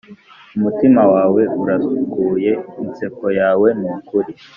umutima wawe urasukuye, inseko yawe nukuri.